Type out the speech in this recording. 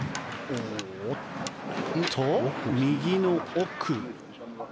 おっと、右の奥。